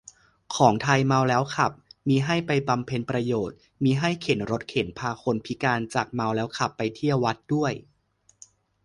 ของไทย เมาแล้วขับ มีให้ไปบำเพ็ญประโยชน์ มีให้เข็นรถเข็นพาคนพิการจากเมาแล้วขับไปเที่ยววัดด้วย